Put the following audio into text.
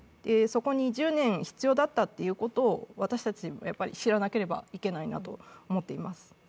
そこに１０年必要だったということを私たちやはり知らなければいけないと思っています。